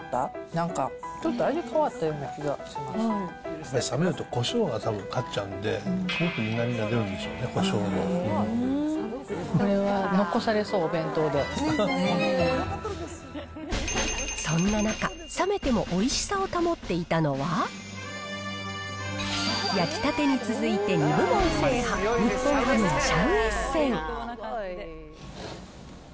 なんか、ちょっと味変わったよう冷めると、こしょうが多分勝っちゃうんで、すごく苦みが出るんでしょうね、これは残されそう、お弁当でそんな中、冷めてもおいしさを保っていたのは、焼きたてに続いて２部門制覇、日本ハムのシャウエッセン。